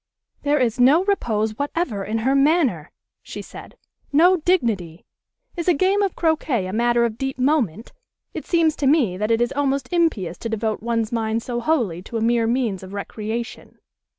"There is no repose whatever in her manner," she said. "No dignity. Is a game of croquet a matter of deep moment? It seems to me that it is almost impious to devote one's mind so wholly to a mere means of recreation."